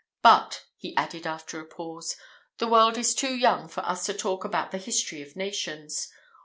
But," he added, after a pause, "the world is too young for us to talk about the history of nations.